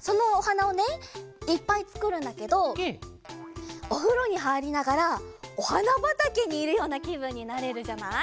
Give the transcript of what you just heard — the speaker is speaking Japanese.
そのおはなをねいっぱいつくるんだけどおふろにはいりながらおはなばたけにいるようなきぶんになれるじゃない？